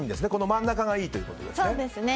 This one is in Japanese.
真ん中がいいということですね。